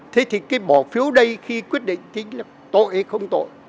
thế thì cái bỏ phiếu đây khi quyết định tính là tội hay không tội